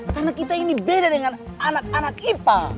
karena kita ini beda dengan anak anak ipa